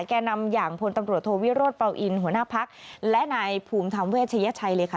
แก่นำอย่างพลตำรวจโทวิโรธเปล่าอินหัวหน้าพักและนายภูมิธรรมเวชยชัยเลยค่ะ